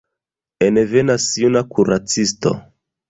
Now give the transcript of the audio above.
Envenas juna kuracisto.